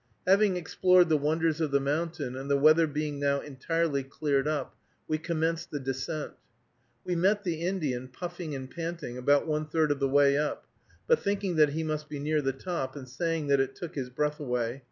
Having explored the wonders of the mountain, and the weather being now entirely cleared up, we commenced the descent. We met the Indian, puffing and panting, about one third of the way up, but thinking that he must be near the top, and saying that it took his breath away.